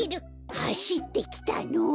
はしってきたの！